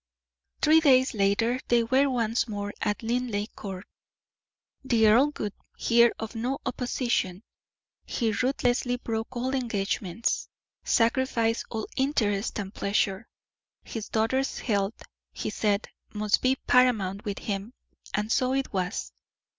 Three days later they were once more at Linleigh Court. The earl would hear of no opposition; he ruthlessly broke all engagements, sacrificed all interest and pleasure; his daughter's health, he said, must be paramount with him, and so it was.